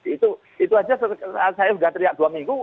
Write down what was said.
itu itu aja saya sudah teriak dua minggu